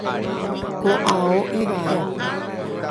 Ko ao ivai.